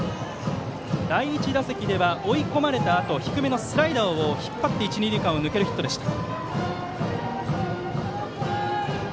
第１打席では追い込まれたあと低めのスライダーを引っ張って一、二塁間を抜けるヒットでした。